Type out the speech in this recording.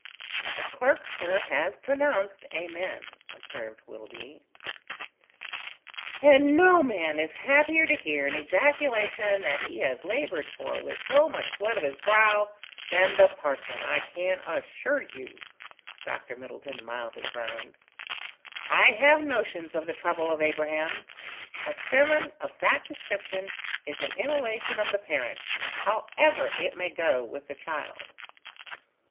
"The clerk, sir, has pronounced Amen," observed Willoughby. "And no man is happier to hear an ejaculation that he has laboured for with so much sweat of his brow than the parson, I can assure you," Dr. Middleton mildly groaned. "I have notions of the trouble of Abraham. A sermon of that description is an immolation of the parent, however it may go with the child."